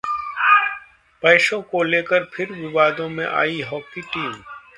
पैसों को लेकर फिर विवादों में आई हॉकी टीम